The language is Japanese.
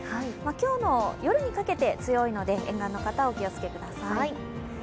今日の夜にかけて強いので沿岸の方、お気をつけください。